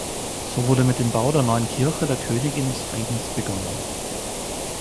So wurde mit dem Bau der neuen Kirche der Königin des Friedens begonnen.